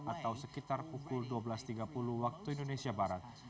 atau sekitar pukul dua belas tiga puluh waktu indonesia barat